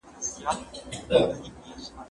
زه به سبا زدکړه وکړم؟!